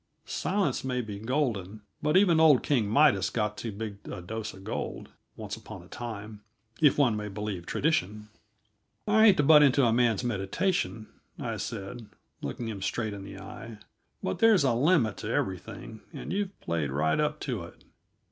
Silence may be golden, but even old King Midas got too big a dose of gold, once upon a time, if one may believe tradition. "I hate to butt into a man's meditations," I said, looking him straight in the eye, "but there's a limit to everything, and you've played right up to it.